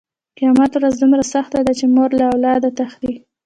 قیامت ورځ دومره سخته ده چې مور له اولاده تښتي.